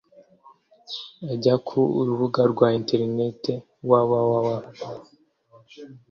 ajya ku rubuga rwa internet www